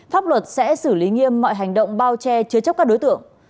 pháp luật sẽ xử lý nghiêm mọi hành động bao che chứa chấp các đối tượng